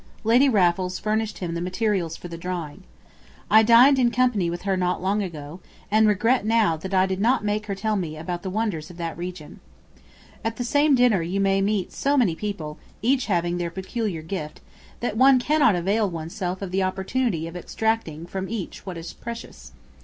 Lady Raffles furnished him the materials for the drawing. I dined in company with her not long ago, and regret now that I did not make her tell me about the wonders of that region. At the same dinner you may meet so many people, each having their peculiar gift, that one cannot avail oneself of the opportunity of extracting from each what is precious.